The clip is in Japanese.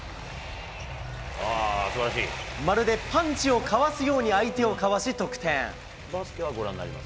まるでパンチをかわすように相手をかわし、得点。